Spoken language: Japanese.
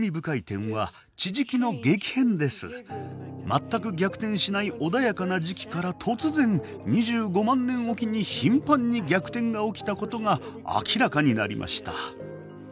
全く逆転しない穏やかな磁気から突然２５万年置きに頻繁に逆転が起きたことが明らかになりました。